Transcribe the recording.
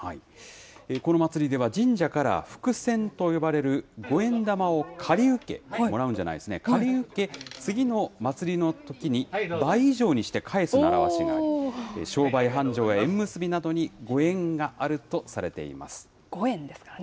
この祭りでは、神社から福銭と呼ばれる五円玉を借り受け、もらうんじゃないんですね、借り受け、次の祭りのときに、倍以上にして返す習わしがあり、商売繁盛や縁結びなどにご縁があるとされています。